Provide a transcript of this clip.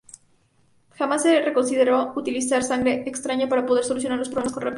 Jamás se consideró utilizar sangre extraña para poder solucionar los problemas con rapidez.